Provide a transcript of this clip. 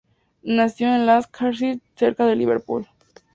Nació en Lancashire, cerca de Liverpool.